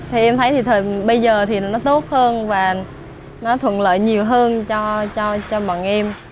thì em thấy thì bây giờ thì nó tốt hơn và nó thuận lợi nhiều hơn cho bọn em